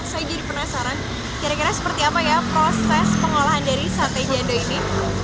saya jadi penasaran kira kira seperti apa ya proses pengolahan dari sate jando ini